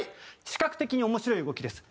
視覚的に面白い動きです。